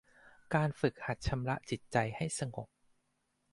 การฝึกหัดชำระจิตใจให้สงบ